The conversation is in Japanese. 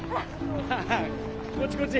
こっちこっち。